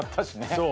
そう。